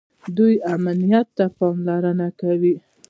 دوی امنیت ته پاملرنه کوي.